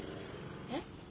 えっ？